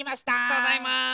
ただいま。